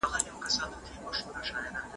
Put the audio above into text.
د لویې جرګي د غړو د انتخاب معیار څه دی؟